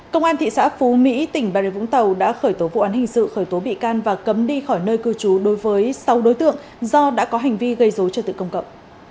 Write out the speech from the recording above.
công an thị xã phú mỹ tỉnh bà rịa vũng tàu đã khởi tố vụ án hình sự khởi tố bị can và cấm đi khỏi nơi cư trú đối với sáu đối tượng do đã có hành vi gây dối trật tự công cộng